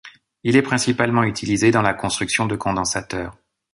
Il est principalement utilisé dans la construction de condensateurs.